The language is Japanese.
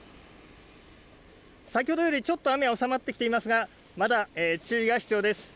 先ほどよりちょっと雨は収まってきていますが、まだ注意が必要です。